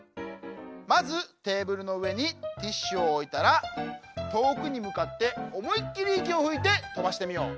まずテーブルのうえにティッシュをおいたらとおくにむかっておもいっきりいきをふいてとばしてみよう。